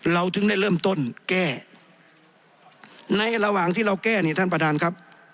ถึงได้เริ่มต้นแก้ในระหว่างที่เราแก้นี่ท่านประธานครับ